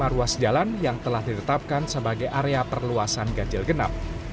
lima ruas jalan yang telah ditetapkan sebagai area perluasan ganjil genap